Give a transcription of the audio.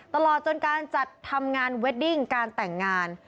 ตลอดจนการจัดทำงานเวดดิ้งการแต่งงาน